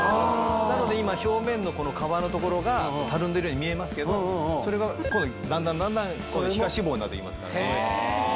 なので今表面のこの皮の所がたるんでるように見えますけどそれがだんだんだんだん皮下脂肪になって行きますから。